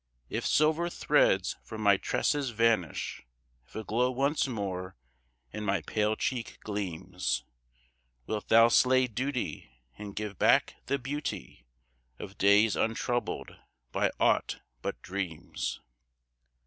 If silver threads from my tresses vanish, If a glow once more in my pale cheek gleams, Wilt thou slay duty and give back the beauty Of days untroubled by aught but dreams?